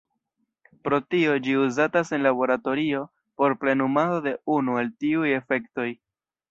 Pro tio, ĝi uzatas en laboratorio por plenumado de unu el tiuj efektoj.